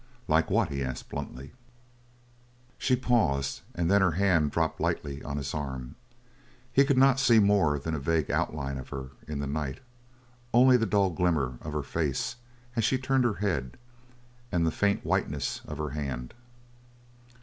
"Like what?" he asked bluntly. She paused, and then her hand dropped lightly on his arm. He could not see more than a vague outline of her in the night, only the dull glimmer of her face as she turned her head, and the faint whiteness of her hand.